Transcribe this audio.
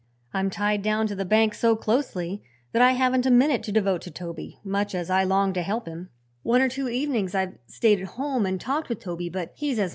I'm tied down to the bank so closely that I haven't a minute to devote to Toby, much as I long to help him. One or two evenings I've stayed at home and talked with Toby, but he's as much bewildered by the thing as we are.